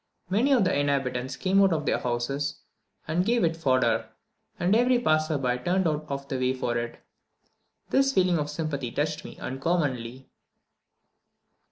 Many of the inhabitants came out of their houses and gave it fodder, and every passer by turned out of the way for it. This feeling of sympathy touched me uncommonly.